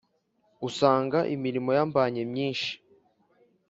usanga imirimo yambanye myinshi,